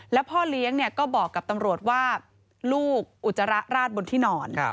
แล้วพ่อเลี้ยงก็บอกกับตำรวจว่าลูกอุจจาระราดบนที่นอน